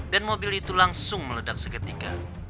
dan mobil itu langsung meledak seketika